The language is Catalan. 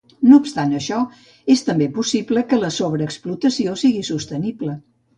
No obstant això, és també possible que la sobreexplotació sigui sostenible.